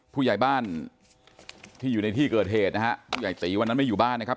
ผู้ใหญ่บ้านที่อยู่ในที่เกิดเหตุนะฮะผู้ใหญ่ตีวันนั้นไม่อยู่บ้านนะครับ